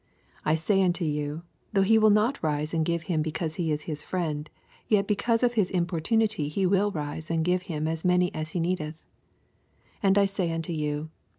8 I say unto you. Though he will not rise and give him because he is his friend, yet because of his impor tunity he will rise and give him as many as he needeth. 9 And I say unto you.